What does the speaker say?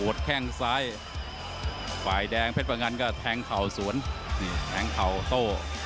แข้งซ้ายฝ่ายแดงเพชรพงันก็แทงเข่าสวนนี่แทงเข่าโต้